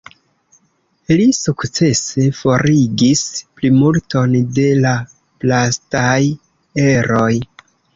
Li sukcese forigis plimulton de la plastaj eroj.